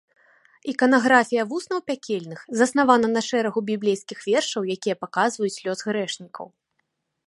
Іканаграфія вуснаў пякельных заснавана на шэрагу біблейскіх вершаў, якія паказваюць лёс грэшнікаў.